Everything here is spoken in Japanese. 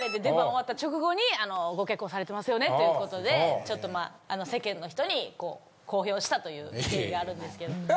出番終わった直後に「ご結婚されてますよね」っていうことでちょっとまあ世間の人に公表したという経緯があるんですけど。